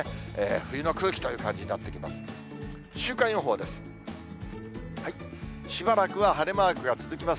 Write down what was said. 冬の空気という感じになってきます。